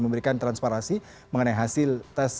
memberikan transparansi mengenai hasil